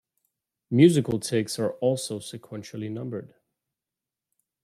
Musical takes are also sequentially numbered.